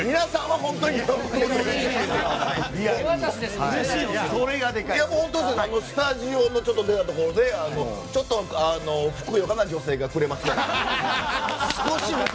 本当にスタジオを出たところでちょっとふくよかな女性がくれますよ。